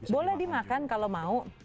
boleh dimakan kalau mau